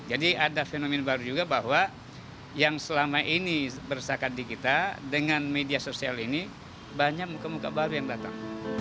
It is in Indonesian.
jadi ada fenomen baru juga bahwa yang selama ini bersakat di kita dengan media sosial ini banyak muka muka baru yang datang